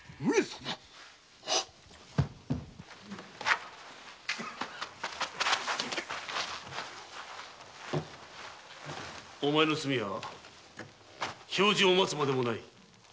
その罪は評定を待つまでもない。